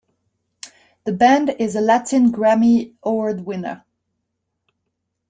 The band is a Latin Grammy Award winner.